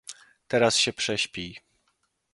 "Teraz się prześpij."